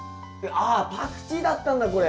ああパクチーだったんだこれ。